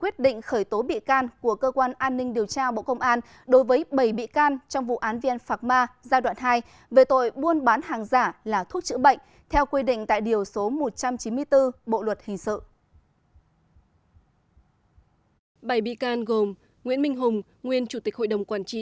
việc khởi tố bảy bị can này là nhằm tiến hành điều tra làm rõ hành vi buôn bán hàng giả là thuốc chữa bệnh mang nhãn mark health hai nghìn